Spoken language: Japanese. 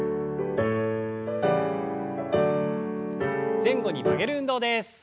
前後に曲げる運動です。